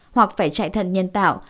hoặc phải chạy thận nhân tạo